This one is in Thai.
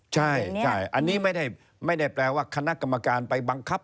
ใช่อันนี้ไม่ได้แปลว่าคณะกรรมการไปบังคับ